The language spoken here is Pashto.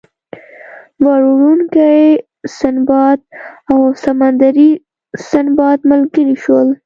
بار وړونکی سنباد او سمندري سنباد ملګري شول.